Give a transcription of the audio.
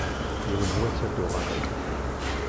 Yiwen n wass ad d-tuɣaleḍ.